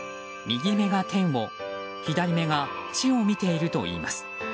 右目が天を左目が地を見ているといいます。